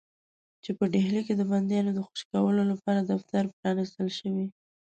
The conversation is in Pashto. چې په ډهلي کې د بندیانو د خوشي کولو لپاره دفتر پرانیستل شوی.